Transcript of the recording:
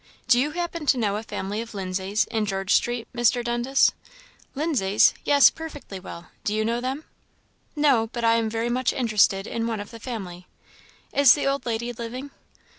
"Do you happen to know a family of Lindsays, in Georgestreet, Mr. Dundas?" "Lindsays? yes, perfectly well. Do you know them?" "No; but I am very much interested in one of the family. Is the old lady living?"